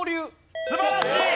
素晴らしい！